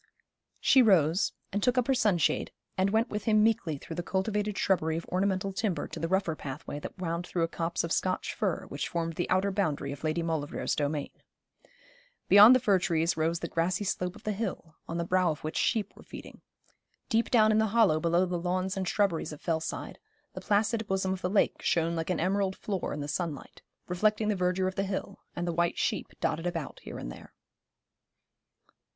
She rose, and took up her sunshade, and went with him meekly through the cultivated shrubbery of ornamental timber to the rougher pathway that wound through a copse of Scotch fir, which formed the outer boundary of Lady Maulevrier's domain. Beyond the fir trees rose the grassy slope of the hill, on the brow of which sheep were feeding. Deep down in the hollow below the lawns and shrubberries of Fellside the placid bosom of the lake shone like an emerald floor in the sunlight, reflecting the verdure of the hill, and the white sheep dotted about here and there.